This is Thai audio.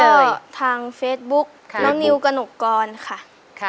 แล้วก็ทางเฟซบุ๊กน้องนิวกนกกรค่ะ